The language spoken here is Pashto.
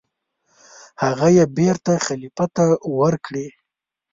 هغه یې بېرته خلیفه ته ورکړې.